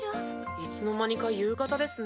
いつの間にか夕方ですね。